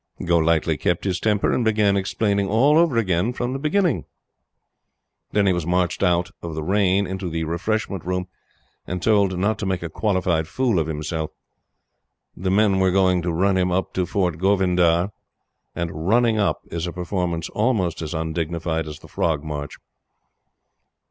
Golightly kept his temper, and began explaining all over again from the beginning. Then he was marched out of the rain into the refreshment room and told not to make a qualified fool of himself. The men were going to run him up to Fort Govindghar. And "running up" is a performance almost as undignified as the Frog March.